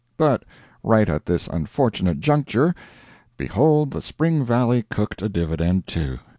But right at this unfortunate juncture, behold the Spring Valley cooked a dividend too!